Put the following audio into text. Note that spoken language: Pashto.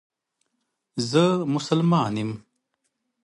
زه مسلمان یم